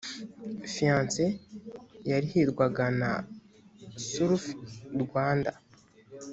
finance yarihirwaga na surf rwanda